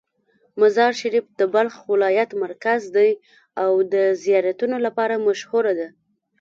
مزار شریف د بلخ ولایت مرکز دی او د زیارتونو لپاره مشهوره ده.